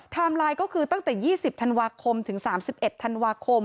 ไลน์ก็คือตั้งแต่๒๐ธันวาคมถึง๓๑ธันวาคม